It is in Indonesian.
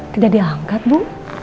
tidak diangkat bu